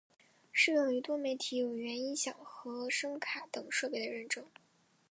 适用于多媒体有源音箱和声卡等设备的认证。